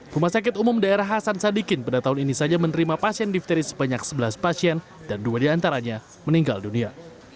rumah sakit umum daerah hasan sadikin pada tahun ini saja menerima pasien difteri sebanyak sebelas pasien dan dua diantaranya meninggal dunia